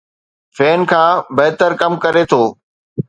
فين کان بهتر ڪم ڪري ٿو